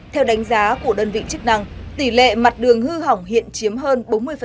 theo đánh giá của đơn vị chức năng tỷ lệ mặt đường hư hỏng hiện chiếm hơn bốn mươi